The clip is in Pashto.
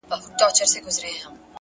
علم د ژوند ارزښت لوړوي!.